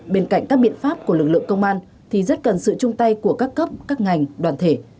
bên cạnh các biện pháp của lực lượng công an thì rất cần sự chung tay của các cấp các ngành đoàn thể